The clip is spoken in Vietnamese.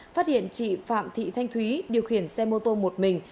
phát hiện chị phạm thị thanh thúy điều khiển xe mô tô một mình